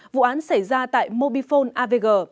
vụ án xảy ra tại mobifone avg